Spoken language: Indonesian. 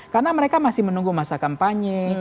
karena mereka masih menunggu masa kampanye